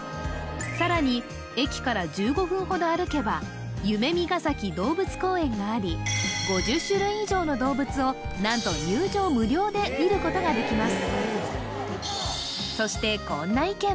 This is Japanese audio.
さらに駅から１５分ほど歩けばがあり５０種類以上の動物を何と入場無料で見ることができます